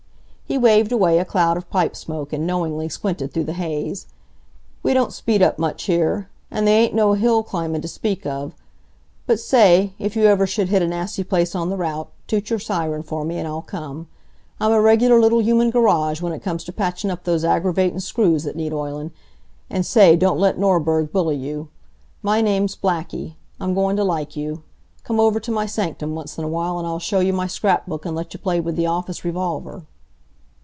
He waved away a cloud of pipe smoke, and knowingly squinted through the haze. "We don't speed up much here. And they ain't no hill climbin' t' speak of. But say, if you ever should hit a nasty place on the route, toot your siren for me and I'll come. I'm a regular little human garage when it comes to patchin' up those aggravatin' screws that need oilin'. And, say, don't let Norberg bully you. My name's Blackie. I'm goin' t' like you. Come on over t' my sanctum once in a while and I'll show you my scrapbook and let you play with the office revolver."